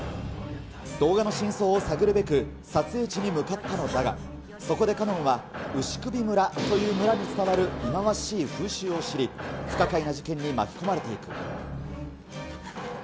動画の真相を探るべく、撮影地に向かったのだが、そこで奏音は牛首村という村に伝わる忌まわしい風習を知り、不可解な事件に巻き込まれていく。